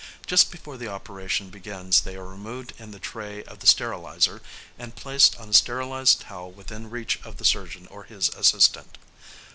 Just before the operation begins they are removed in the tray of the steriliser and placed on a sterilised towel within reach of the surgeon or his assistant.